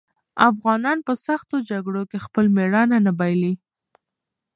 افغانان په سختو جګړو کې خپل مېړانه نه بايلي.